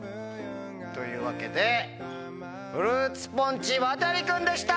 というわけでフルーツポンチ・亘君でした！